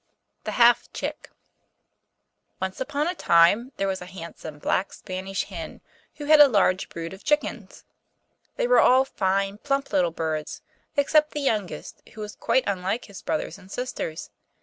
THE HALF CHICK Once upon a time there was a handsome black Spanish hen, who had a large brood of chickens. They were all fine, plump little birds, except the youngest, who was quite unlike his brothers and sisters.